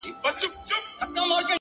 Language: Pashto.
نیک چلند د دوستۍ فضا پیاوړې کوي!.